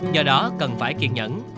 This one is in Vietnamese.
do đó cần phải kiên nhẫn